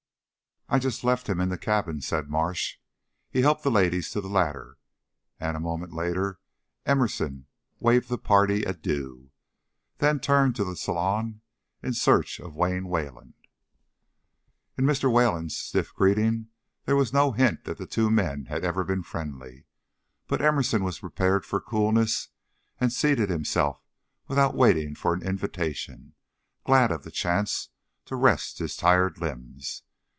"I just left him in the cabin," said Marsh. He helped the ladies to the ladder, and a moment later Emerson waved the party adieu, then turned to the saloon in search of Wayne Wayland. In Mr. Wayland's stiff greeting there was no hint that the two men had ever been friendly, but Emerson was prepared for coolness, and seated himself without waiting for an invitation, glad of the chance to rest his tired limbs.